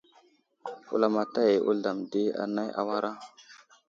Wulamataya i Wuzlam ɗi anay awara.